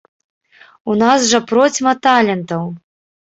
У нас жа процьма талентаў!